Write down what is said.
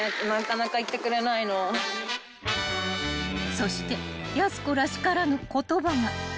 ［そしてやす子らしからぬ言葉が］